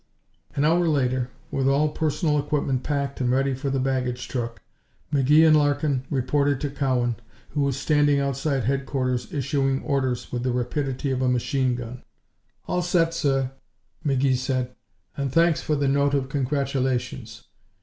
An hour later, with all personal equipment packed and ready for the baggage truck, McGee and Larkin reported to Cowan, who was standing outside headquarters, issuing orders with the rapidity of a machine gun. "All set, sir," McGee said, "and thanks for the note of congratulations.